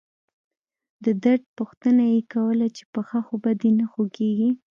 د درد پوښتنه يې کوله چې پښه خو به دې نه خوږيږي.